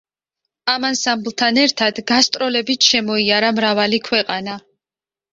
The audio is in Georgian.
ამ ანსამბლთან ერთად გასტროლებით შემოიარა მრავალი ქვეყანა.